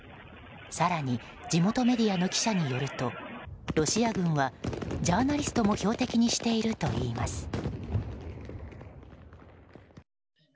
更に地元メディアの記者によるとロシア軍はジャーナリストも標的にしているといいます。